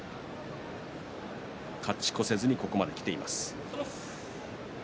勝ち越せずにここまできています。